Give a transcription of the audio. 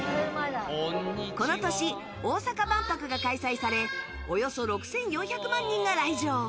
この年、大阪万博が開催されおよそ６４００万人が来場。